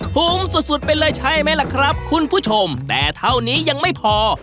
ภูมิสุดสุดไปเลยใช่ไหมล่ะครับคุณผู้ชมแต่เท่านี้ยังไม่พอ